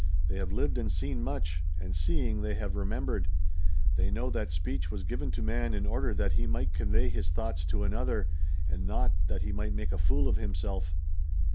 They have lived and seen much, and seeing they have remembered. They know that speech was given to man in order that he might convey his thoughts to another, and not that he might make a fool of himself."